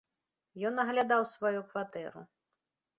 Ён аглядаў сваю кватэру.